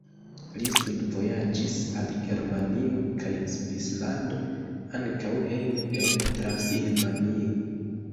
Li studvojaĝis al Germanio kaj Svislando, ankaŭ hejme en Transilvanio.